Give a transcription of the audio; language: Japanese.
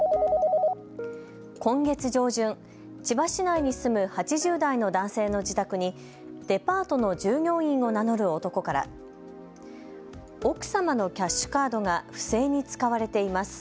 今月上旬、千葉市内に住む８０代の男性の自宅にデパートの従業員を名乗る男から奥様のキャッシュカードが不正に使われています。